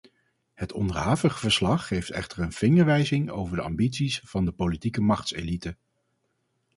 Het onderhavige verslag geeft echter een vingerwijzing over de ambities van de politieke machtselite.